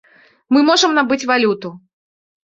Мы можам набыць валюту.